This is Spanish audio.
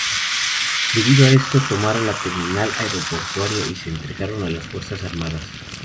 Debido a esto, tomaron la terminal aeroportuaria y se entregaron a las fuerzas armadas.